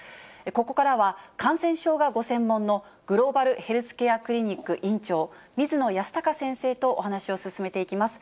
ここからは、感染症がご専門の、グローバルヘルスケアクリニック院長、水野泰孝先生とお話を進めていきます。